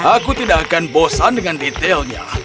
aku tidak akan bosan dengan detailnya